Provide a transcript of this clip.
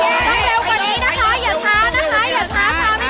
ต้องเร็วกว่านี้นะคะ